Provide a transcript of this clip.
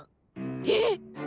えっ！